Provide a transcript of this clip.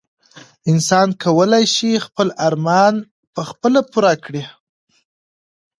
انسان کولای شي خپل ارمان په خپله پوره کړي.